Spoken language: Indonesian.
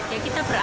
ya kita beralih